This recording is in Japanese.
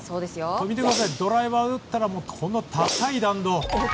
見てくださいドライバーで打ったらこの高い弾道。